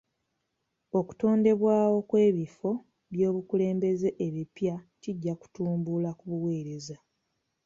Okutondebwawo kw'ebifo by'obukulembeze ebipya kijja kutumbula ku buweereza.